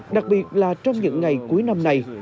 đặc biệt là trong những ngày cuối năm này